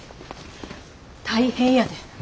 大変やで！